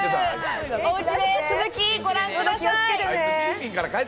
おうちで続きご覧ください。